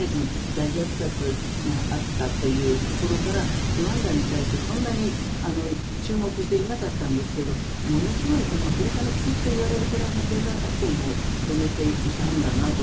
大虐殺があったというところからルワンダに対してそんなに注目していなかったんですけどものすごい、アフリカの奇跡といわれるくらいの経済発展を遂げていたんだなと。